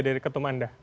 dari ketum anda